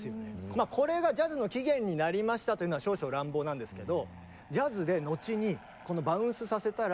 まあこれがジャズの起源になりましたというのは少々乱暴なんですけど。